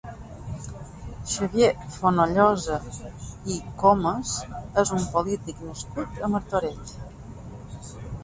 Xavier Fonollosa i Comas és un polític nascut a Martorell.